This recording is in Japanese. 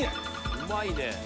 うまいね。